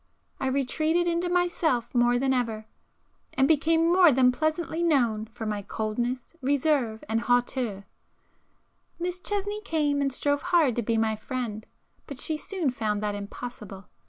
I retreated into myself more than ever,—and became more than pleasantly known for my coldness, reserve and hauteur. Miss Chesney came, and strove hard to be my friend,—but she soon found that impossible.